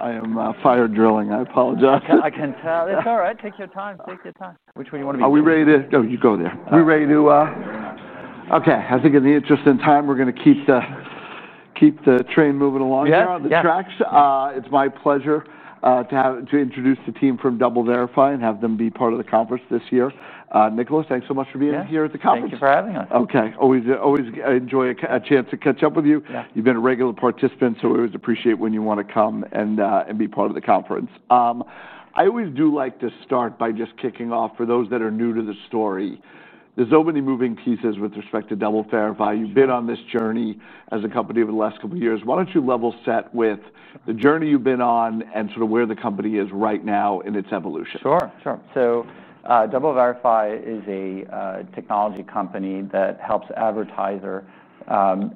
I am fire drilling. I apologize. I can tell. It's all right. Take your time. Take your time. Which one do you want to be? Are we ready to go? You go there. Are we ready to— Okay. I think in the interest of time, we're going to keep the train moving along here on the tracks. It's my pleasure to introduce the team from DoubleVerify and have them be part of the conference this year. Nicholas, thanks so much for being here at the conference. Thank you for having us. Okay. Always enjoy a chance to catch up with you. You've been a regular participant, so we always appreciate when you want to come and be part of the conference. I always do like to start by just kicking off for those that are new to the story. There are so many moving pieces with respect to DoubleVerify. You've been on this journey as a company over the last couple of years. Why don't you level set with the journey you've been on and sort of where the company is right now in its evolution? Sure. Sure. DoubleVerify is a technology company that helps advertisers,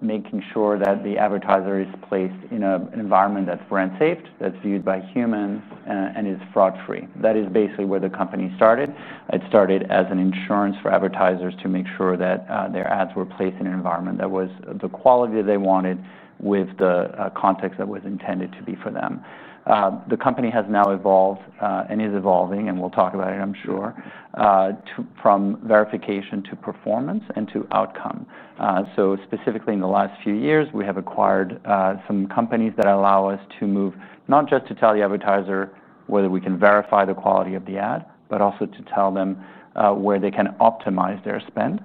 making sure that the advertiser is placed in an environment that's brand safe, that's viewed by humans, and is fraud-free. That is basically where the company started. It started as an insurance for advertisers to make sure that their ads were placed in an environment that was the quality that they wanted with the context that was intended to be for them. The company has now evolved and is evolving, and we'll talk about it, I'm sure, from verification to performance and to outcome. Specifically in the last few years, we have acquired some companies that allow us to move not just to tell the advertiser whether we can verify the quality of the ad, but also to tell them where they can optimize their spend.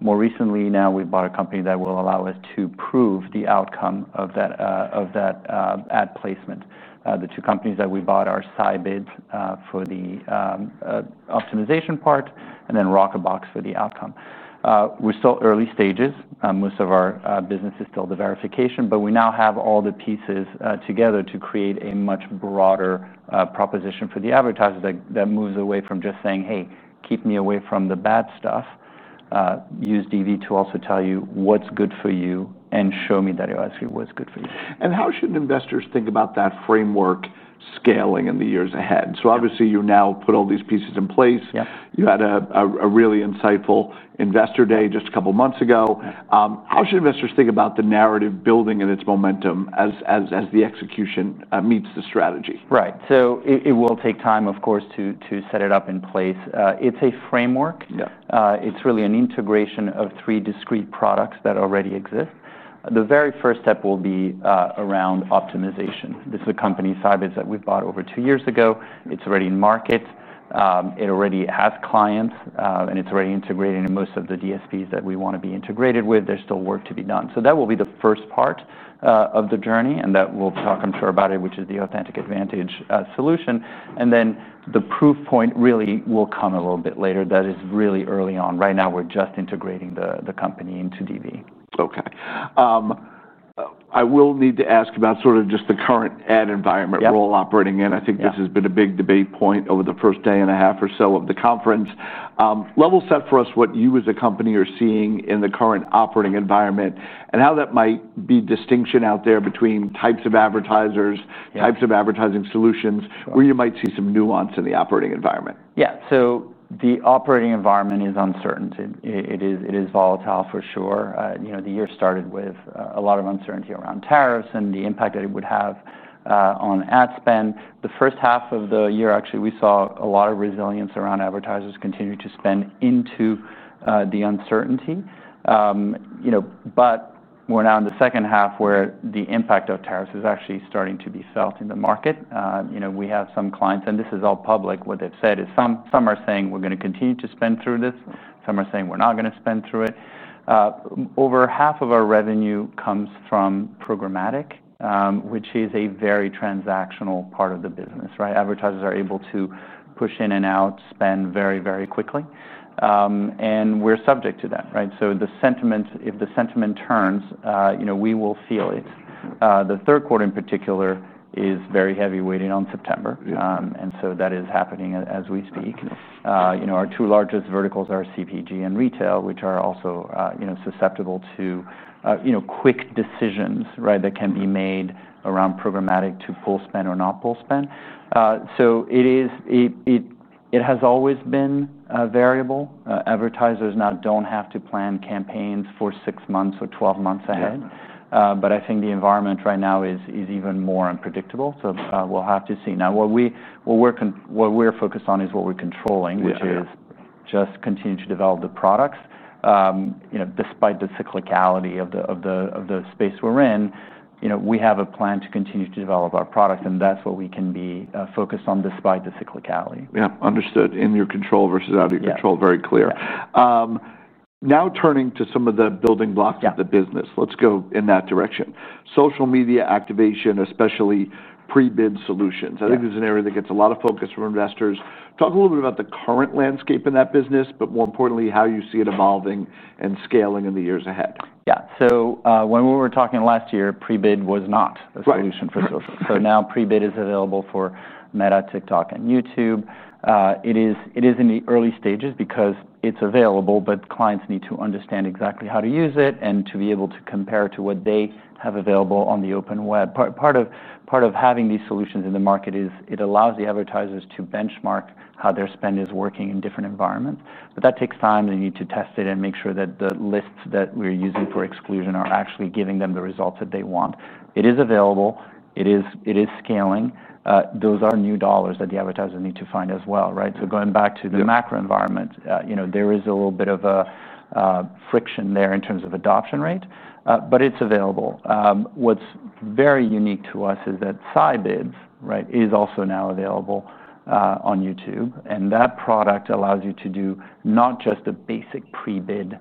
More recently, now we've bought a company that will allow us to prove the outcome of that ad placement. The two companies that we bought are Scibids for the optimization part and then Rockerbox for the outcome. We're still early stages. Most of our business is still the verification, but we now have all the pieces together to create a much broader proposition for the advertiser that moves away from just saying, "Hey, keep me away from the bad stuff. Use DV to also tell you what's good for you and show me that it actually was good for you. How should investors think about that framework scaling in the years ahead? You now put all these pieces in place. You had a really insightful investor day just a couple of months ago. How should investors think about the narrative building and its momentum as the execution meets the strategy? Right. It will take time, of course, to set it up in place. It's a framework. It's really an integration of three discrete products that already exist. The very first step will be around optimization. This is a company, Scibids, that we've bought over two years ago. It's already in market. It already has clients, and it's already integrated in most of the DSPs that we want to be integrated with. There's still work to be done. That will be the first part of the journey, and we'll talk, I'm sure, about it, which is the DV Authentic Advantage solution. The proof point really will come a little bit later. That is really early on. Right now, we're just integrating the company into DoubleVerify. Okay. I will need to ask about just the current ad environment we're all operating in. I think this has been a big debate point over the first day and a half or so of the conference. Level set for us what you as a company are seeing in the current operating environment and how that might be distinction out there between types of advertisers, types of advertising solutions, where you might see some nuance in the operating environment. Yeah. The operating environment is uncertain. It is volatile for sure. The year started with a lot of uncertainty around tariffs and the impact that it would have on ad spend. The first half of the year, actually, we saw a lot of resilience around advertisers continuing to spend into the uncertainty. We're now in the second half where the impact of tariffs is actually starting to be felt in the market. We have some clients, and this is all public, what they've said is some are saying we're going to continue to spend through this. Some are saying we're not going to spend through it. Over half of our revenue comes from programmatic, which is a very transactional part of the business. Advertisers are able to push in and out spend very, very quickly. We're subject to that. If the sentiment turns, we will feel it. The third quarter in particular is very heavy weighted on September, and that is happening as we speak. Our two largest verticals are CPG and retail, which are also susceptible to quick decisions that can be made around programmatic to pull spend or not pull spend. It has always been variable. Advertisers now don't have to plan campaigns for six months or 12 months ahead. I think the environment right now is even more unpredictable. We'll have to see. What we're focused on is what we're controlling, which is just continue to develop the products. Despite the cyclicality of the space we're in, we have a plan to continue to develop our products. That's what we can be focused on despite the cyclicality. Yeah, understood. In your control versus out of your control, very clear. Now, turning to some of the building blocks of the business, let's go in that direction. Social media activation, especially pre-bid solutions. I think this is an area that gets a lot of focus from investors. Talk a little bit about the current landscape in that business, but more importantly, how you see it evolving and scaling in the years ahead. Yeah. When we were talking last year, pre-bid was not a solution for social. Now pre-bid is available for Meta, TikTok, and YouTube. It is in the early stages because it's available, but clients need to understand exactly how to use it and to be able to compare it to what they have available on the open web. Part of having these solutions in the market is it allows the advertisers to benchmark how their spend is working in different environments. That takes time. They need to test it and make sure that the lists that we're using for exclusion are actually giving them the results that they want. It is available. It is scaling. Those are new dollars that the advertisers need to find as well. Going back to the macro environment, there is a little bit of a friction there in terms of adoption rate. It is available. What's very unique to us is that Scibids is also now available on YouTube. That product allows you to do not just a basic pre-bid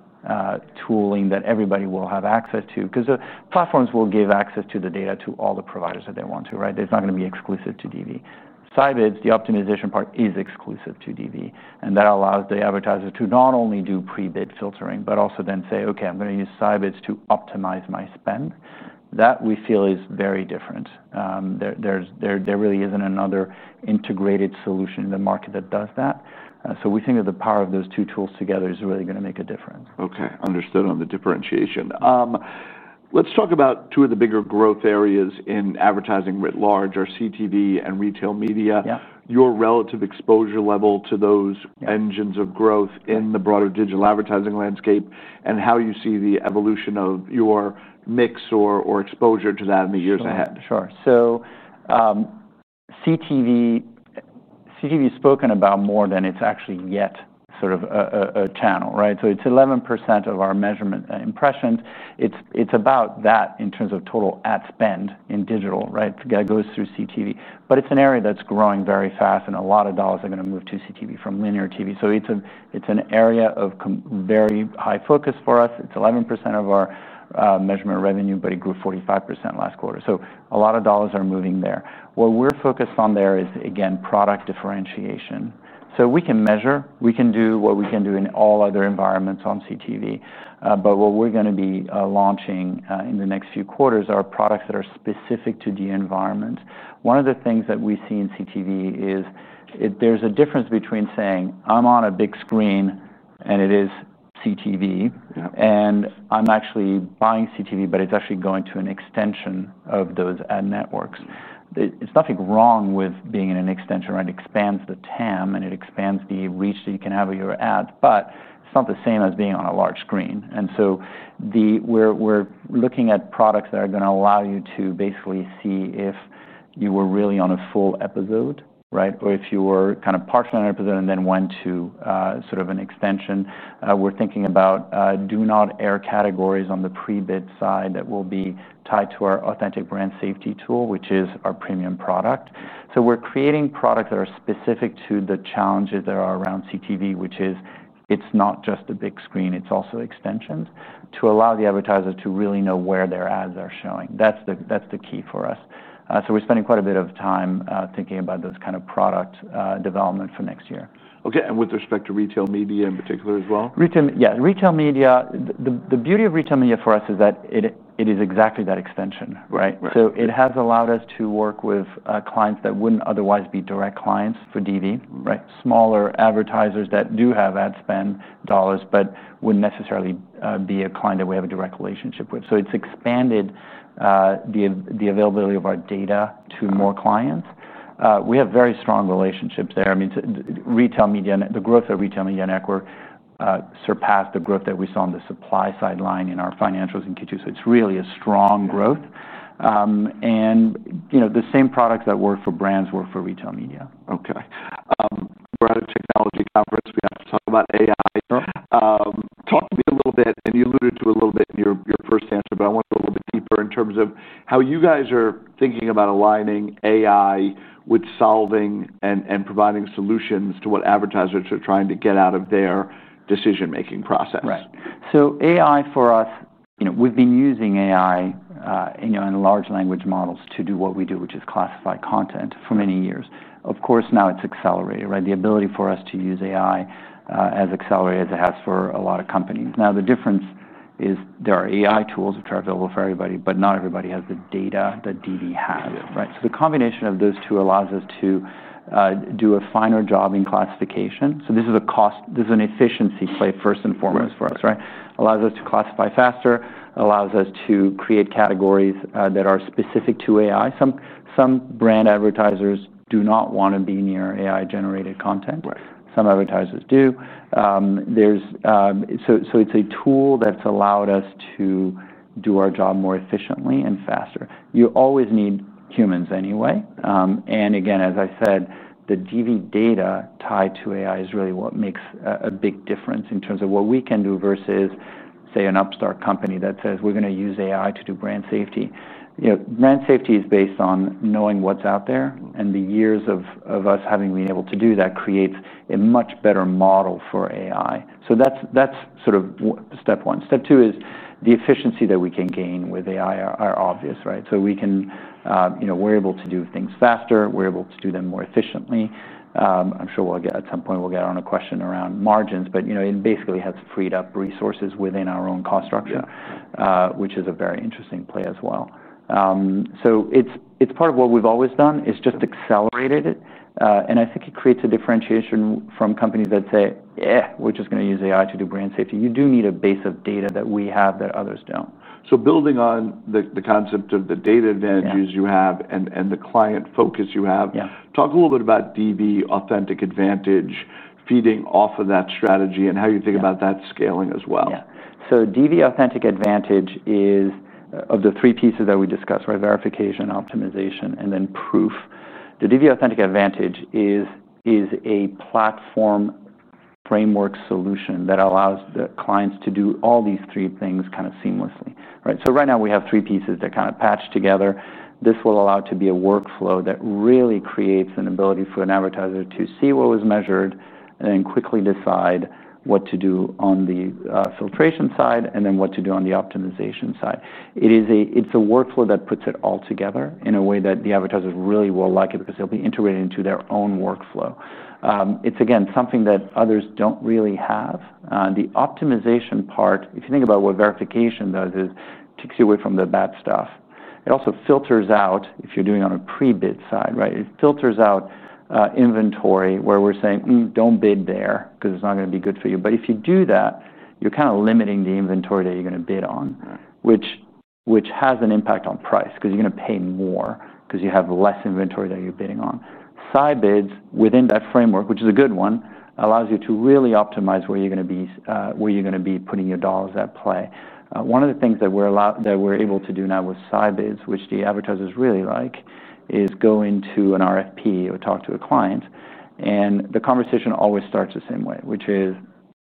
tooling that everybody will have access to, because the platforms will give access to the data to all the providers that they want to. It's not going to be exclusive to DoubleVerify. Scibids, the optimization part is exclusive to DoubleVerify. That allows the advertiser to not only do pre-bid filtering, but also then say, "Okay, I'm going to use Scibids to optimize my spend." That we feel is very different. There really isn't another integrated solution in the market that does that. We think that the power of those two tools together is really going to make a difference. Okay, understood on the differentiation. Let's talk about two of the bigger growth areas in advertising writ large, our CTV and retail media, your relative exposure level to those engines of growth in the broader digital advertising landscape, and how you see the evolution of your mix or exposure to that in the years ahead. Sure. CTV is spoken about more than it's actually yet sort of a channel. It's 11% of our measurement impressions. It's about that in terms of total ad spend in digital. It goes through CTV. It's an area that's growing very fast, and a lot of dollars are going to move to CTV from linear TV. It's an area of very high focus for us. It's 11% of our measurement revenue, but it grew 45% last quarter. A lot of dollars are moving there. What we're focused on there is, again, product differentiation. We can measure. We can do what we can do in all other environments on CTV. What we're going to be launching in the next few quarters are products that are specific to the environment. One of the things that we see in CTV is there's a difference between saying, "I'm on a big screen and it is CTV," and "I'm actually buying CTV, but it's actually going to an extension of those ad networks." There's nothing wrong with being in an extension, right? It expands the TAM and it expands the reach that you can have with your ads, but it's not the same as being on a large screen. We're looking at products that are going to allow you to basically see if you were really on a full episode, right? Or if you were kind of partially on an episode and then went to sort of an extension. We're thinking about do not air categories on the pre-bid side that will be tied to our Authentic Brand Suitability tool, which is our premium product. We're creating products that are specific to the challenges that are around CTV, which is it's not just a big screen. It's also extensions to allow the advertiser to really know where their ads are showing. That's the key for us. We're spending quite a bit of time thinking about those kind of product development for next year. Okay. With respect to retail media in particular as well? Yeah, retail media. The beauty of retail media for us is that it is exactly that extension, right? It has allowed us to work with clients that wouldn't otherwise be direct clients for DoubleVerify, right? Smaller advertisers that do have ad spend dollars, but wouldn't necessarily be a client that we have a direct relationship with. It has expanded the availability of our data to more clients. We have very strong relationships there. Retail media and the growth of retail media network surpassed the growth that we saw on the supply side line in our financials in Q2. It is really a strong growth. The same products that work for brands work for retail media. Okay. We're at a technology conference. We have to talk about AI. Talk to me a little bit, and you alluded to it a little bit in your first answer, but I want to go a little bit deeper in terms of how you guys are thinking about aligning AI with solving and providing solutions to what advertisers are trying to get out of their decision-making process. Right. AI for us, we've been using AI and large language models to do what we do, which is classify content for many years. Of course, now it's accelerated, right? The ability for us to use AI has accelerated as it has for a lot of companies. The difference is there are AI tools which are available for everybody, but not everybody has the data that DoubleVerify has, right? The combination of those two allows us to do a finer job in classification. This is an efficiency play first and foremost for us, right? It allows us to classify faster and allows us to create categories that are specific to AI. Some brand advertisers do not want to be near AI-generated content. Some advertisers do. It's a tool that's allowed us to do our job more efficiently and faster. You always need humans anyway. As I said, the DoubleVerify data tied to AI is really what makes a big difference in terms of what we can do versus, say, an upstart company that says we're going to use AI to do brand safety. Brand safety is based on knowing what's out there, and the years of us having been able to do that creates a much better model for AI. That's sort of step one. Step two is the efficiency that we can gain with AI is obvious, right? We're able to do things faster. We're able to do them more efficiently. I'm sure at some point we'll get on a question around margins, but it basically has freed up resources within our own cost structure, which is a very interesting play as well. It's part of what we've always done. It's just accelerated it. I think it creates a differentiation from companies that say, we're just going to use AI to do brand safety. You do need a base of data that we have that others don't. Building on the concept of the data advantages you have and the client focus you have, talk a little bit about DV Authentic Advantage feeding off of that strategy and how you think about that scaling as well. Yeah. DV Authentic Advantage is of the three pieces that we discussed, right? Verification, optimization, and then proof. The DV Authentic Advantage is a platform framework solution that allows the clients to do all these three things kind of seamlessly, right? Right now we have three pieces that kind of patch together. This will allow it to be a workflow that really creates an ability for an advertiser to see what was measured and then quickly decide what to do on the filtration side and then what to do on the optimization side. It's a workflow that puts it all together in a way that the advertiser really will like it because it'll be integrated into their own workflow. It's, again, something that others don't really have. The optimization part, if you think about what verification does, is it takes you away from the bad stuff. It also filters out if you're doing it on a pre-bid side, right? It filters out inventory where we're saying, don't bid there because it's not going to be good for you. If you do that, you're kind of limiting the inventory that you're going to bid on, which has an impact on price because you're going to pay more because you have less inventory that you're bidding on. Scibids within that framework, which is a good one, allows you to really optimize where you're going to be putting your dollars at play. One of the things that we're able to do now with Scibids, which the advertisers really like, is go into an RFP or talk to a client. The conversation always starts the same way, which is,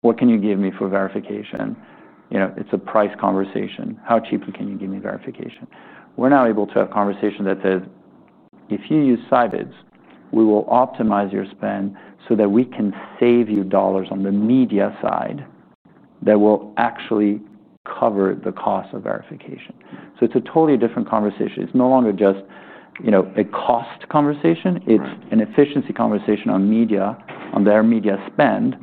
"What can you give me for verification?" You know, it's a price conversation. "How cheaply can you give me verification?" We're now able to have a conversation that says, "If you use Scibids, we will optimize your spend so that we can save you dollars on the media side that will actually cover the cost of verification." It's a totally different conversation. It's no longer just a cost conversation. It's an efficiency conversation on media, on their media spend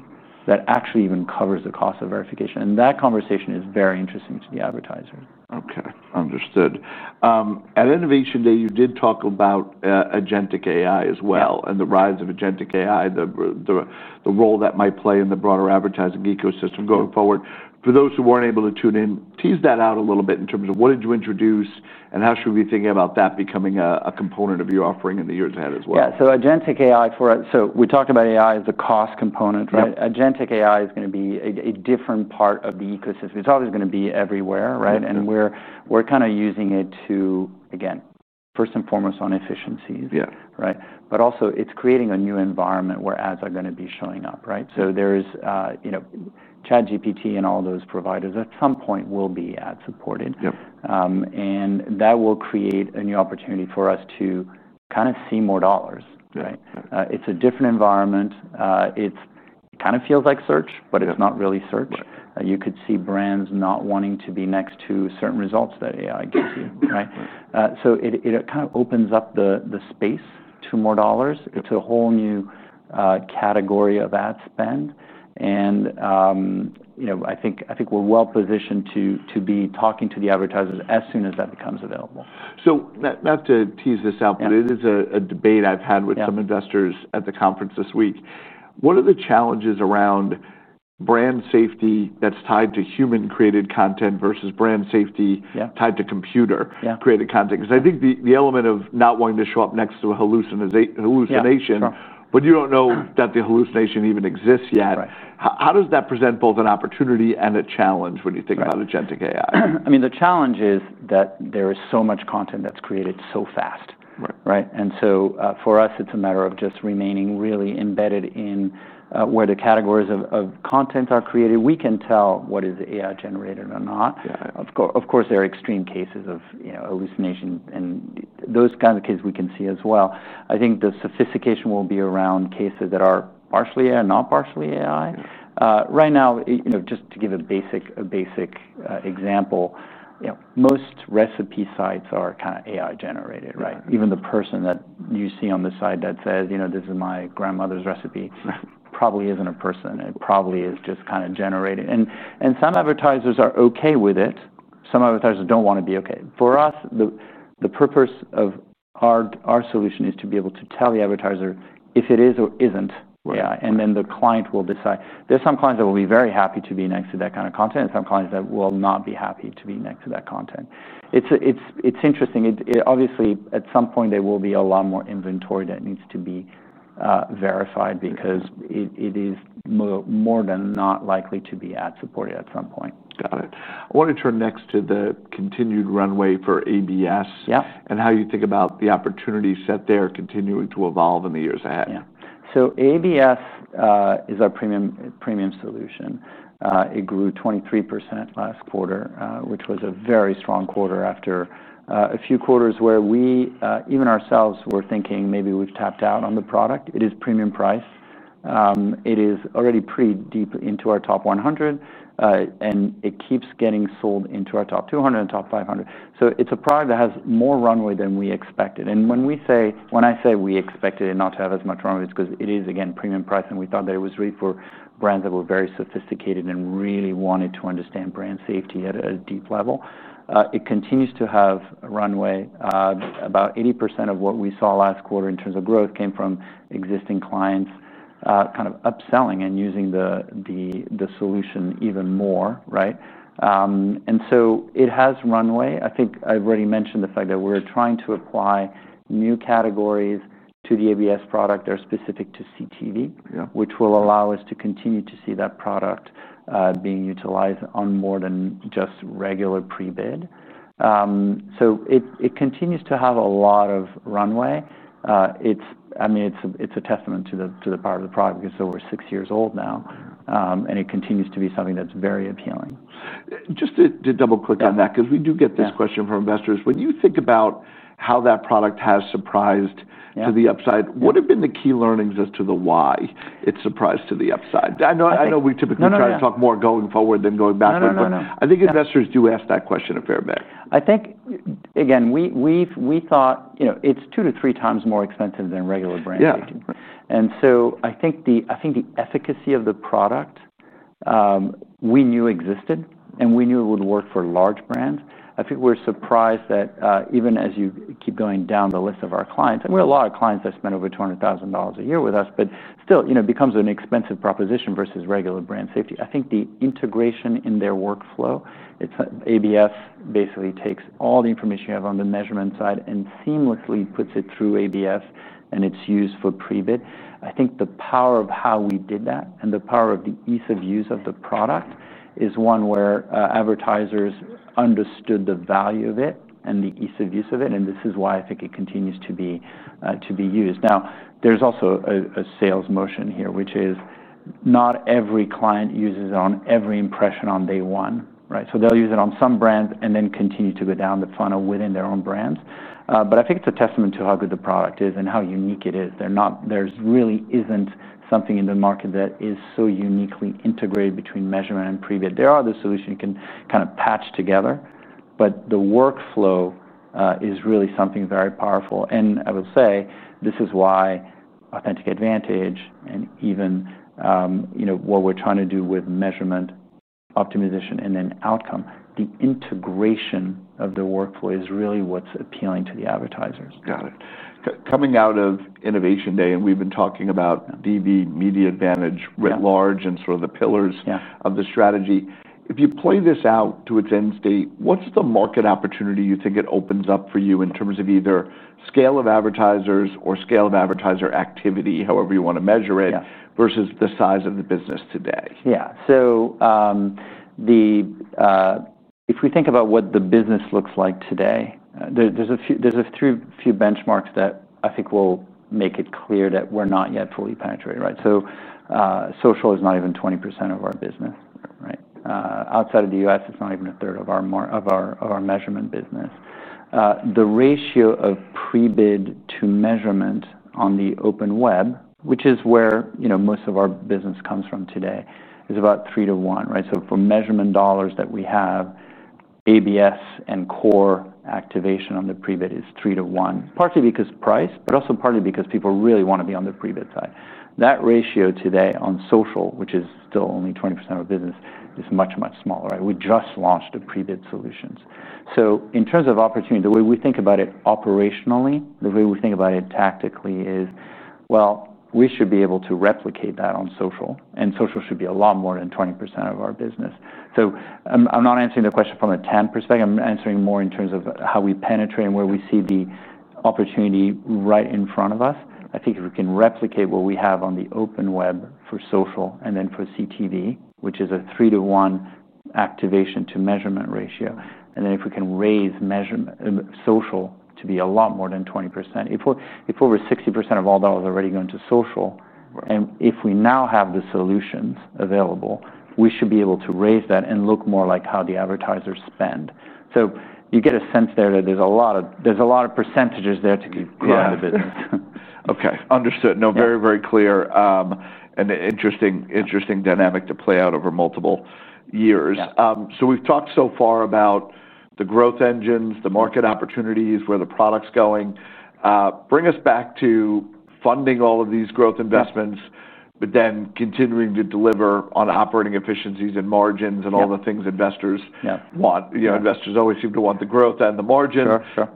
that actually even covers the cost of verification. That conversation is very interesting to the advertiser. Okay, understood. At Innovation Day, you did talk about Agentic AI as well and the rise of Agentic AI, the role that might play in the broader advertising ecosystem going forward. For those who weren't able to tune in, tease that out a little bit in terms of what did you introduce and how should we be thinking about that becoming a component of your offering in the years ahead as well? Yeah, so Agentic AI for us, we talked about AI as the cost component, right? Agentic AI is going to be a different part of the ecosystem. It's always going to be everywhere, right? We're kind of using it to, again, first and foremost on efficiencies, right? It's creating a new environment where ads are going to be showing up, right? There's, you know, ChatGPT and all those providers at some point will be ad supported. That will create a new opportunity for us to kind of see more dollars, right? It's a different environment. It kind of feels like search, but it's not really search. You could see brands not wanting to be next to certain results that AI gives you, right? It kind of opens up the space to more dollars. It's a whole new category of ad spend. I think we're well positioned to be talking to the advertisers as soon as that becomes available. It is a debate I've had with some investors at the conference this week. What are the challenges around brand safety that's tied to human-created content versus brand safety tied to computer-created content? I think the element of not wanting to show up next to a hallucination, but you don't know that the hallucination even exists yet. How does that present both an opportunity and a challenge when you think about Agentic AI? I mean, the challenge is that there is so much content that's created so fast, right? For us, it's a matter of just remaining really embedded in where the categories of content are created. We can tell what is AI-generated or not. Of course, there are extreme cases of hallucination and those kinds of cases we can see as well. I think the sophistication will be around cases that are partially AI and not partially AI. Right now, just to give a basic example, you know, most recipe sites are kind of AI-generated, right? Even the person that you see on the side that says, "You know, this is my grandmother's recipe," probably isn't a person. It probably is just kind of generated. Some advertisers are okay with it. Some advertisers don't want to be okay. For us, the purpose of our solution is to be able to tell the advertiser if it is or isn't AI, and then the client will decide. There's some clients that will be very happy to be next to that kind of content, and some clients that will not be happy to be next to that content. It's interesting. Obviously, at some point, there will be a lot more inventory that needs to be verified because it is more than not likely to be ad supported at some point. Got it. I want to turn next to the continued runway for ABS and how you think about the opportunity set there continuing to evolve in the years ahead. Yeah. ABS is our premium solution. It grew 23% last quarter, which was a very strong quarter after a few quarters where we, even ourselves, were thinking maybe we've tapped out on the product. It is premium priced. It is already pretty deep into our top 100, and it keeps getting sold into our top 200 and top 500. It's a product that has more runway than we expected. When I say we expected it not to have as much runway, it's because it is, again, premium priced, and we thought that it was really for brands that were very sophisticated and really wanted to understand brand safety at a deep level. It continues to have runway. About 80% of what we saw last quarter in terms of growth came from existing clients kind of upselling and using the solution even more, right? It has runway. I think I've already mentioned the fact that we're trying to apply new categories to the ABS product that are specific to CTV, which will allow us to continue to see that product being utilized on more than just regular pre-bid. It continues to have a lot of runway. It's a testament to the power of the product because it's over six years old now, and it continues to be something that's very appealing. Just to double click on that, because we do get this question from investors, when you think about how that product has surprised to the upside, what have been the key learnings as to why it's surprised to the upside? I know we typically try to talk more going forward than going backward, but I think investors do ask that question a fair bit. I think, again, we thought it's two to three times more expensive than regular brand safety. I think the efficacy of the product we knew existed, and we knew it would work for large brands. I think we're surprised that even as you keep going down the list of our clients, and we have a lot of clients that spend over $200,000 a year with us, it becomes an expensive proposition versus regular brand safety. I think the integration in their workflow, it's Authentic Brand Suitability basically takes all the information you have on the measurement side and seamlessly puts it through Authentic Brand Suitability, and it's used for pre-bid. I think the power of how we did that and the power of the ease of use of the product is one where advertisers understood the value of it and the ease of use of it, and this is why I think it continues to be used. There is also a sales motion here, which is not every client uses it on every impression on day one, right? They'll use it on some brand and then continue to go down the funnel within their own brands. I think it's a testament to how good the product is and how unique it is. There really isn't something in the market that is so uniquely integrated between measurement and pre-bid. There are other solutions you can kind of patch together, but the workflow is really something very powerful. I will say this is why DV Authentic Advantage and even what we're trying to do with measurement, optimization, and then outcome, the integration of the workflow is really what's appealing to the advertisers. Got it. Coming out of Innovation Day, and we've been talking about DV Media Advantage writ large, and sort of the pillars of the strategy. If you play this out to its end state, what's the market opportunity you think it opens up for you in terms of either scale of advertisers or scale of advertiser activity, however you want to measure it, versus the size of the business today? Yeah. If we think about what the business looks like today, there are a few benchmarks that I think will make it clear that we're not yet fully penetrated, right? Social is not even 20% of our business, right? Outside of the U.S., it's not even a third of our measurement business. The ratio of pre-bid to measurement on the open web, which is where most of our business comes from today, is about three to one, right? For measurement dollars that we have, Authentic Brand Suitability and core activation on the pre-bid is three to one, partly because of price, but also partly because people really want to be on the pre-bid side. That ratio today on social, which is still only 20% of our business, is much, much smaller, right? We just launched the pre-bid solutions. In terms of opportunity, the way we think about it operationally, the way we think about it tactically is, we should be able to replicate that on social, and social should be a lot more than 20% of our business. I'm not answering the question from a TAM perspective. I'm answering more in terms of how we penetrate and where we see the opportunity right in front of us. I think if we can replicate what we have on the open web for social and then for connected TV, which is a three to one activation to measurement ratio, and then if we can raise social to be a lot more than 20%, if over 60% of all dollars are already going to social, and if we now have the solutions available, we should be able to raise that and look more like how the advertisers spend. You get a sense there that there are a lot of percentages there to grow in the business. Okay, understood. Very, very clear. An interesting dynamic to play out over multiple years. We've talked so far about the growth engines, the market opportunities, where the product's going. Bring us back to funding all of these growth investments, but then continuing to deliver on operating efficiencies and margins and all the things investors want. Investors always seem to want the growth and the margin.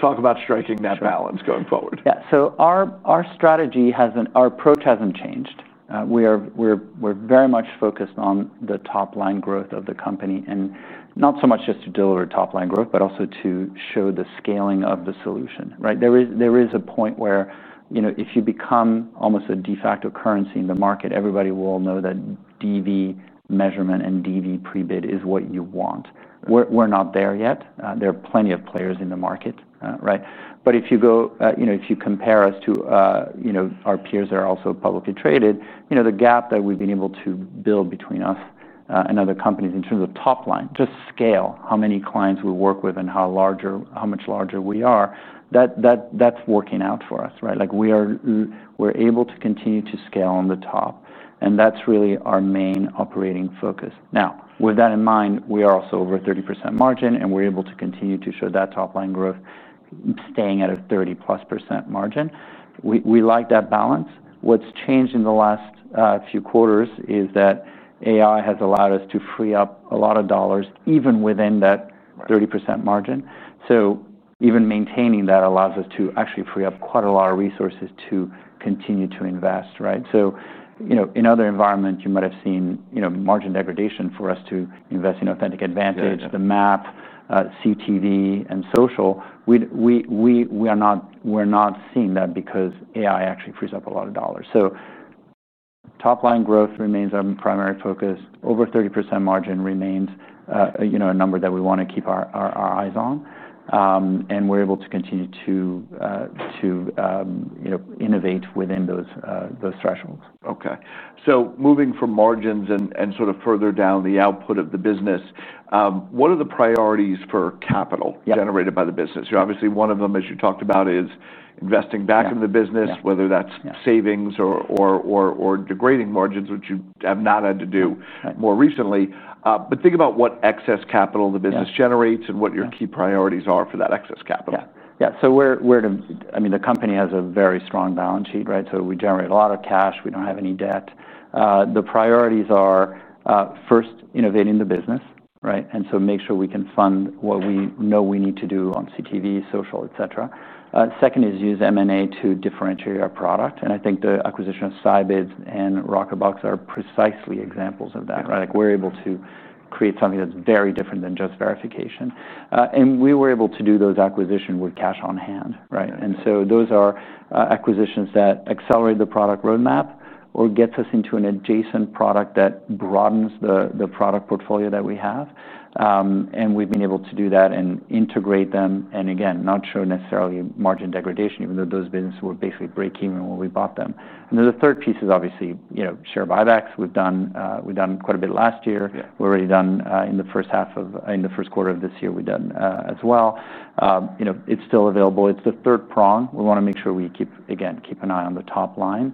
Talk about striking that balance going forward. Yeah. Our strategy hasn't, our approach hasn't changed. We're very much focused on the top-line growth of the company, and not so much just to deliver top-line growth, but also to show the scaling of the solution, right? There is a point where, you know, if you become almost a de facto currency in the market, everybody will know that DV measurement and DV pre-bid is what you want. We're not there yet. There are plenty of players in the market, right? If you compare us to our peers that are also publicly traded, the gap that we've been able to build between us and other companies in terms of top-line, just scale, how many clients we work with and how much larger we are, that's working out for us, right? We're able to continue to scale on the top, and that's really our main operating focus. With that in mind, we are also over a 30% margin, and we're able to continue to show that top-line growth, staying at a 30+% margin. We like that balance. What's changed in the last few quarters is that AI has allowed us to free up a lot of dollars even within that 30% margin. Even maintaining that allows us to actually free up quite a lot of resources to continue to invest, right? In other environments, you might have seen margin degradation for us to invest in DV Authentic Advantage, the MAP, CTV, and social. We are not seeing that because AI actually frees up a lot of dollars. Top-line growth remains our primary focus. Over 30% margin remains a number that we want to keep our eyes on. We're able to continue to innovate within those thresholds. Okay. Moving from margins and further down the output of the business, what are the priorities for capital generated by the business? Obviously, one of them, as you talked about, is investing back in the business, whether that's savings or degrading margins, which you have not had to do more recently. Think about what excess capital the business generates and what your key priorities are for that excess capital. Yeah. The company has a very strong balance sheet, right? We generate a lot of cash. We don't have any debt. The priorities are first innovating the business, right? Make sure we can fund what we know we need to do on CTV, social, et cetera. Second is use M&A to differentiate our product. I think the acquisition of Scibids and Rockerbox are precisely examples of that, right? We're able to create something that's very different than just verification. We were able to do those acquisitions with cash on hand, right? Those are acquisitions that accelerate the product roadmap or get us into an adjacent product that broadens the product portfolio that we have. We've been able to do that and integrate them, and again, not show necessarily margin degradation, even though those businesses were basically break even when we bought them. The third piece is obviously share buybacks. We've done quite a bit last year. We've already done in the first quarter of this year as well. It's still available. It's the third prong. We want to make sure we keep, again, keep an eye on the top line.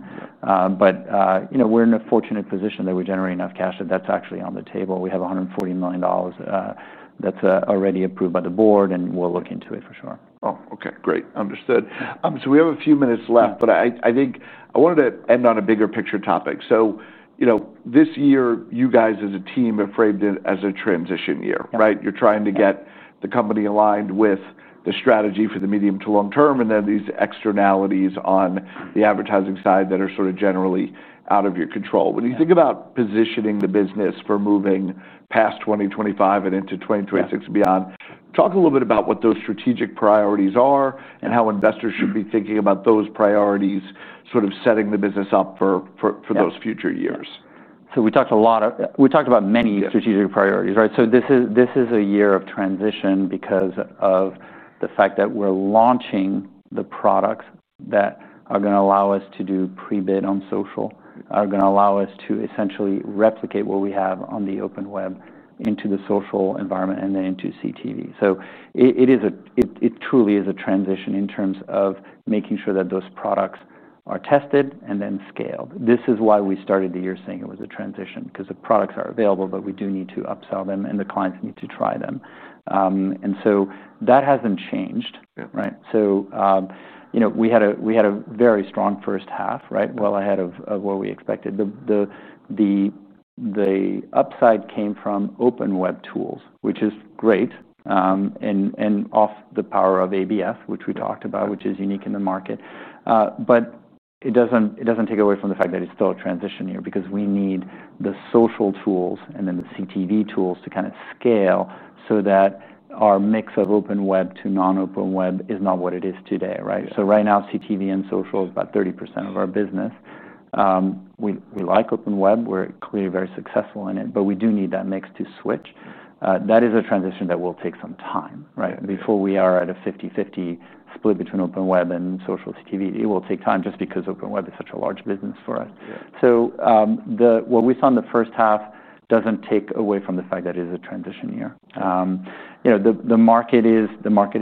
We're in a fortunate position that we generate enough cash that that's actually on the table. We have $140 million that's already approved by the board, and we'll look into it for sure. Okay. Great. Understood. We have a few minutes left, but I think I wanted to end on a bigger picture topic. This year, you guys as a team have framed it as a transition year, right? You're trying to get the company aligned with the strategy for the medium to long term, and then these externalities on the advertising side that are generally out of your control. When you think about positioning the business for moving past 2025 and into 2026 and beyond, talk a little bit about what those strategic priorities are and how investors should be thinking about those priorities, setting the business up for those future years. We talked about many strategic priorities, right? This is a year of transition because of the fact that we're launching the products that are going to allow us to do pre-bid on social, are going to allow us to essentially replicate what we have on the open web into the social environment and then into CTV. It truly is a transition in terms of making sure that those products are tested and then scaled. This is why we started the year saying it was a transition because the products are available, but we do need to upsell them and the clients need to try them. That hasn't changed, right? We had a very strong first half, right? Ahead of what we expected. The upside came from open web tools, which is great, and off the power of Authentic Brand Suitability, which we talked about, which is unique in the market. It doesn't take away from the fact that it's still a transition year because we need the social tools and then the CTV tools to kind of scale so that our mix of open web to non-open web is not what it is today, right? Right now, CTV and social is about 30% of our business. We like open web. We're clearly very successful in it, but we do need that mix to switch. That is a transition that will take some time, right? Before we are at a 50-50 split between open web and social CTV, it will take time just because open web is such a large business for us. What we saw in the first half doesn't take away from the fact that it is a transition year. The market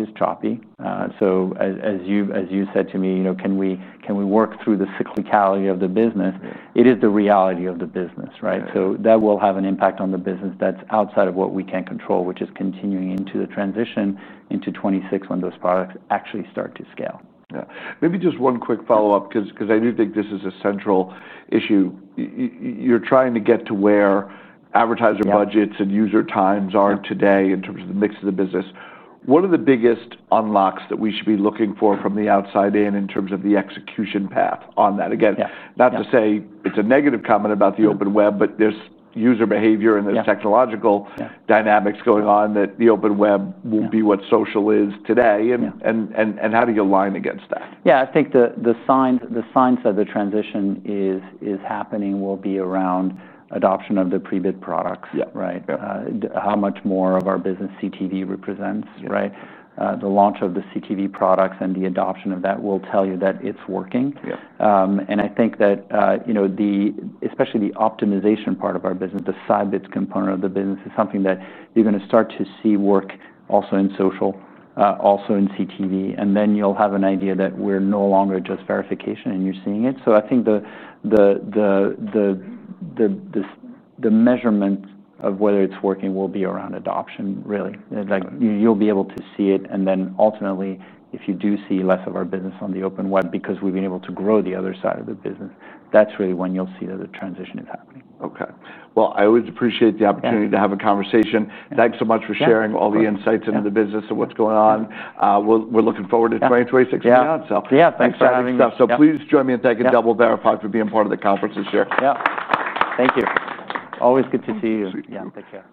is choppy. As you said to me, can we work through the cyclicality of the business? It is the reality of the business, right? That will have an impact on the business that's outside of what we can control, which is continuing into the transition into 2026 when those products actually start to scale. Yeah. Maybe just one quick follow-up because I do think this is a central issue. You're trying to get to where advertiser budgets and user times are today in terms of the mix of the business. What are the biggest unlocks that we should be looking for from the outside in, in terms of the execution path on that? Not to say it's a negative comment about the open web, but there's user behavior and there's technological dynamics going on that the open web will be what social is today. How do you align against that? Yeah, I think the signs of the transition is happening will be around adoption of the pre-bid products, right? How much more of our business CTV represents, right? The launch of the CTV products and the adoption of that will tell you that it's working. I think that, you know, especially the optimization part of our business, the Scibids component of the business is something that you're going to start to see work also in social, also in CTV. You'll have an idea that we're no longer just verification and you're seeing it. I think the measurement of whether it's working will be around adoption, really. Like you'll be able to see it. Ultimately, if you do see less of our business on the open web because we've been able to grow the other side of the business, that's really when you'll see that the transition is happening. Okay. I always appreciate the opportunity to have a conversation. Thanks so much for sharing all the insights into the business and what's going on. We're looking forward to 2026 coming up. Yeah, thanks for having me. Please join me in thanking DoubleVerify for being part of the conference this year. Yeah, thank you. It's always good to see you. Take care.